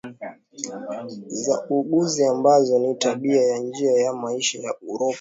za uuguzi ambazo ni tabia ya njia ya maisha ya Uropa